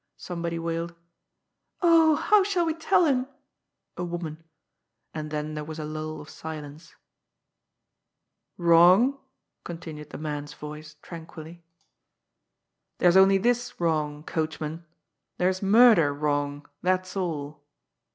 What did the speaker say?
Somebody wailed: "Oh, how shall we tell him !"— a woman. And then there was a lull of silence. "Wrong?" continued the man's voice tranquilly. INTO A CLOUD OP MIST. H ^^ There's only this wrong, coachman. There's murder wrong, that's all."